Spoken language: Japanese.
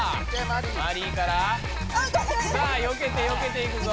マリイからさあよけてよけていくぞ。